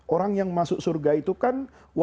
orang yang masuk surga itu kan